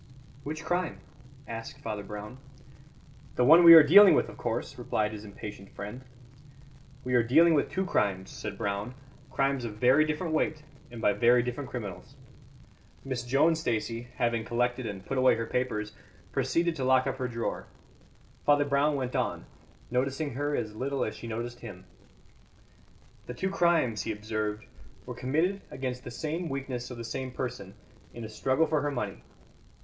"Which crime?" asked Father Brown. "The one we are dealing with, of course," replied his impatient friend. "We are dealing with two crimes," said Brown, "crimes of very different weight and by very different criminals." Miss Joan Stacey, having collected and put away her papers, proceeded to lock up her drawer. Father Brown went on, noticing her as little as she noticed him. "The two crimes," he observed, "were committed against the same weakness of the same person, in a struggle for her money.